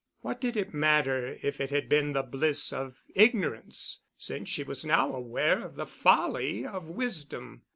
What did it matter if it had been the bliss of ignorance, since she was now aware of the folly of wisdom?